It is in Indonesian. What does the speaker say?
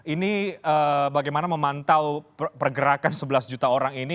ini bagaimana memantau pergerakan sebelas juta orang ini